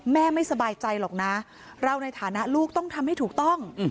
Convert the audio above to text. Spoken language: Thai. ไม่สบายใจหรอกนะเราในฐานะลูกต้องทำให้ถูกต้อง